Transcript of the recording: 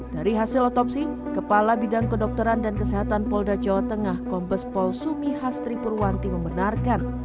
dari hasil otopsi kepala bidang kedokteran dan kesehatan polda jawa tengah kombes pol sumi hastri purwanti membenarkan